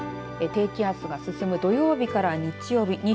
低気圧が進む土曜日から日曜日西